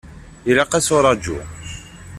Ilaq-as uraǧu.